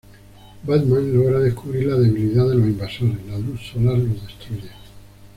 Batman logra descubrir la debilidad de los invasores: la luz solar los destruye.